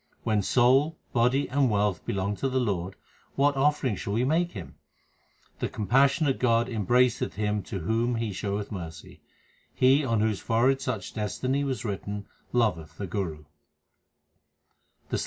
When soul, body, and wealth belong to the Lord, what offering shall we make Him ? The compassionate God embraceth him to whom He showeth mercy. He on whose forehead such destiny was written loveth the Guru.